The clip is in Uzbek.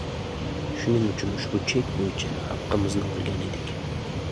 Shuning uchun ushbu chek bo‘yicha haqqimizni olgani keldik